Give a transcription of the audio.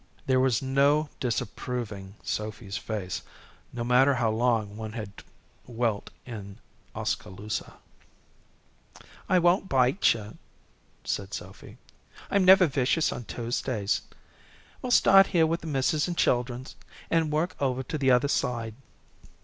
There was no disapproving Sophy's face, no matter how long one had dwelt in Oskaloosa. "I won't bite you," said Sophy. "I'm never vicious on Tuesdays. We'll start here with the misses' an' children's, and work over to the other side."